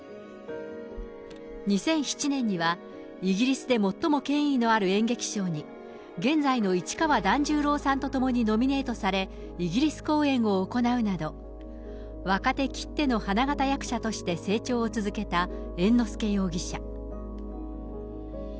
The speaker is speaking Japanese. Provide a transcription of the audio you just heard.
２００７年には、イギリスで最も権威のある演劇賞に、現在の市川團十郎さんと共にノミネートされ、イギリス公演を行うなど、若手きっての花形役者として成長を続けた猿之助容疑者。